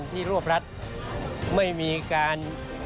ส่วนต่างกระโบนการ